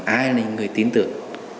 ai là những người tín tưởng